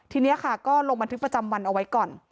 ทีนี้ค่ะก็ลงบันทึกประจำวันเอาไว้ก่อน